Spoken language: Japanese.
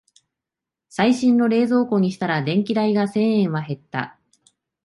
最新の冷蔵庫にしたら電気代が千円は減った